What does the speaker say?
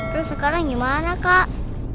terus sekarang gimana kak